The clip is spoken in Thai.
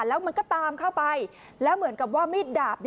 แล้วมันก็ตามเข้าไปแล้วเหมือนกับว่ามีดดาบ